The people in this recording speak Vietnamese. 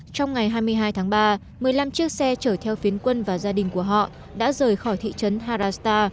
trong ngày hai mươi hai tháng ba một mươi năm chiếc xe chở theo phiến quân và gia đình của họ đã rời khỏi thị trấn harasta